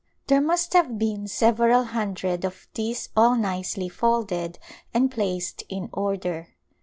There must have been several hundred of these all nicely folded and placed in order.